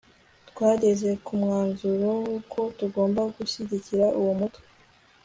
twageze ku mwanzuro w'uko tugomba gushyigikira uwo mutwe